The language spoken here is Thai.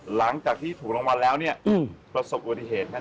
หลังจากที่ถูกรางวัลแล้วเนี่ยประสบอุบัติเหตุ